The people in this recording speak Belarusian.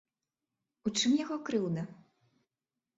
У чым яго крыўда?